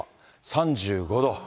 ３５度。